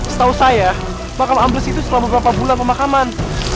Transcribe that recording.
setahu saya makam ambles itu setelah beberapa bulan pemakaman